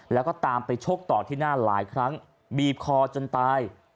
แล้วก็ตามไปชกต่อที่หน้าหลายครั้งบีบคอจนตาย